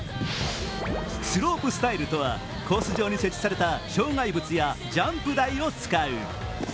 スロープスタイルとはコース上に設置された障害物やジャンプ台を使う。